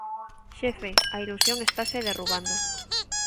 Xefe, a ilusión estase derrubando.